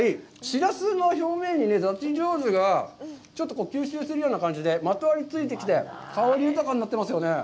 しらすの表面に出汁醤油がちょっと吸収するような感じでまとわりついてきて、香り豊かになってますよね。